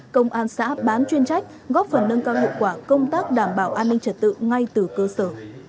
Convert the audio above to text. công an xã bán chuyên trách góp phần nâng cao hiệu quả công tác đảm bảo an ninh trật tự ngay từ cơ sở